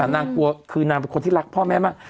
นางกลัวคือนางเป็นคนที่รักพ่อแม่มาก